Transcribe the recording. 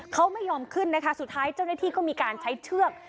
เขาไม่ยอมขึ้นนะคะสุดท้ายเจ้าหน้าที่ก็มีการใช้เชือก